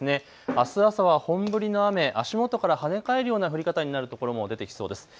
あす朝は本降りの雨、足元から跳ね返るような降り方になるところも出てきそうです。